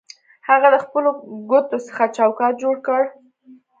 هغه د خپلو ګوتو څخه چوکاټ جوړ کړ